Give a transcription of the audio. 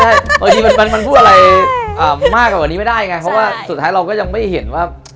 ใช่บางทีมันพูดอะไรมากกว่าวันนี้ไม่ได้ไงเพราะว่าสุดท้ายเราก็ยังไม่เห็นว่า